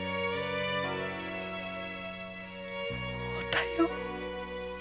おたよ。